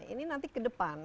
ini nanti kedepan